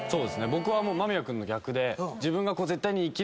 僕は間宮君の逆で。